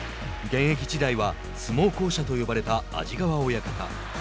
現役時代は相撲巧者と呼ばれた安治川親方。